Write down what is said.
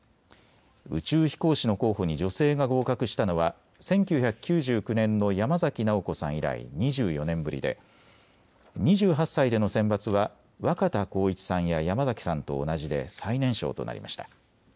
宇宙飛行士の候補に女性が合格したのは１９９９年の山崎直子さん以来２４年ぶりで２８歳での選抜は若田光一さんや山崎さんと同じで最年少となりました。